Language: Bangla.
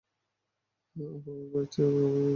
অভাবের ভয়ের চেয়ে বড় ভয় আর কিছু নেই!